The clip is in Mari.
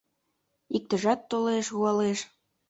Иктыжат толеш — руалеш